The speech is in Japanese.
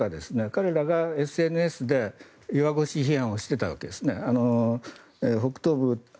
彼らがＳＮＳで弱腰批判をしていたわけですね。